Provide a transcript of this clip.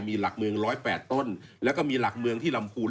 มีหลักเมือง๑๐๘ต้นแล้วก็มีหลักเมืองที่ลำพูน